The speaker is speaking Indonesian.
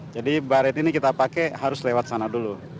jadi baret ini kita pakai harus lewat sana dulu